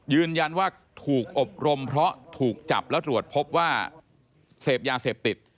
ยืนยันว่าถูกอบรมเพราะถูกจับแล้วตรวจพบว่าเสพยาเสพติด